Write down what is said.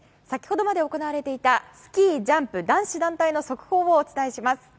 先ほどまで行われていたスキージャンプ男子団体の速報をお伝えします。